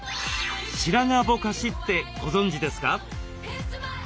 「白髪ぼかし」ってご存じですか？